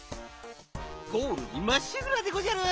ゴールにまっしぐらでごじゃる。